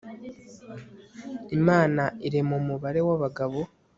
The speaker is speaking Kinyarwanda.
imana irema umubare w'abagabo